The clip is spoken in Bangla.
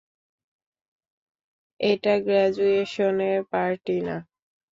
এটা গ্রাজুয়েশনের পার্টি না।